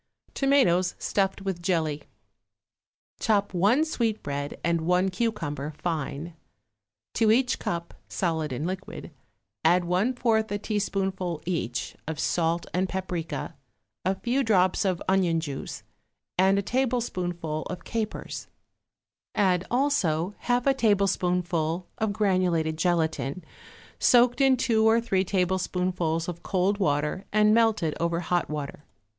=Tomatoes Stuffed with Jelly.= Chop one sweetbread and one cucumber fine. To each cup (solid and liquid) add one fourth a teaspoonful, each, of salt and paprica, a few drops of onion juice and a tablespoonful of capers; add also half a tablespoonful of granulated gelatine, soaked in two or three tablespoonfuls of cold water and melted over hot water.